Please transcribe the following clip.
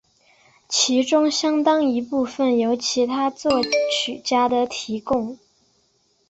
其中相当一部分由其他作曲家的提供。